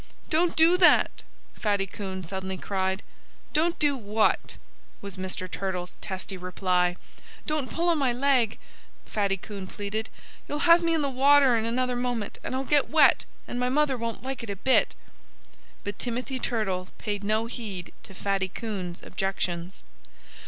"Don't do that!" Fatty Coon suddenly cried. "Don't do what?" was Mr. Turtle's testy reply. "Don't pull on my leg!" Fatty Coon pleaded. "You'll have me in the water in another moment, and I'll get wet, and my mother won't like it a bit." But Timothy Turtle paid no heed to Fatty Coon's objections.